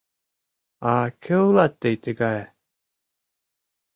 — А кӧ улат тый тыгае?